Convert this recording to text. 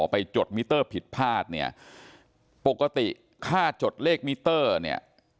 จดมิเตอร์ผิดพลาดเนี่ยปกติค่าจดเลขมิเตอร์เนี่ย